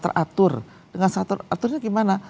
teratur dengan aturannya gimana